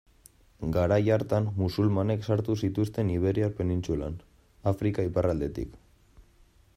Garai hartan, musulmanek sartu zituzten Iberiar penintsulan, Afrika iparraldetik.